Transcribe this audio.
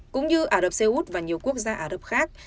cũng như ả rập xê út và nhiều quốc gia ả rập khác